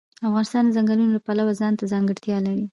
افغانستان د ځنګلونو د پلوه ځانته ځانګړتیا لري.